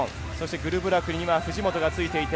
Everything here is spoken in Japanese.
グルブラクには藤本がついていて。